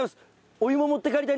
お湯も持って帰りたい。